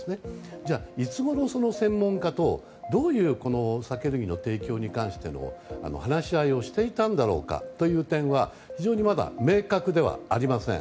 じゃあ、いつごろ専門家とどういう酒類の提供に関しても話し合いをしていたんだろうかという点は非常にまだ明確ではありません。